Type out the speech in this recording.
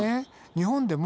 日本でも？